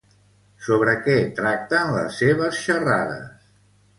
Sobre què tracten les seves xerrades?